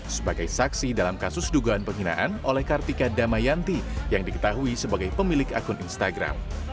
sebagai saksi dalam kasus dugaan penghinaan oleh kartika damayanti yang diketahui sebagai pemilik akun instagram